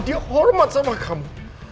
dia hormat sama kamu